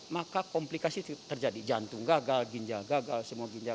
maka komplikasi terjadi jantung gagal ginjal gagal semua ginjal